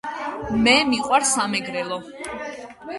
მე მიყვარს სამეგრელო